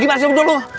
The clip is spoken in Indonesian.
gimana sih lu berdua lu